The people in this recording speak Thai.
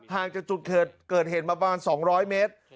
หากจุดเกิดเห็นแบบบ้าง๒๐๐เมตร